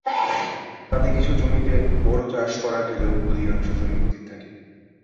তাতে কিছু জমিতে বোরো চাষ করা গেলেও অধিকাংশ জমি পতিত থাকে।